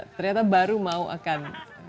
ternyata baru mau akan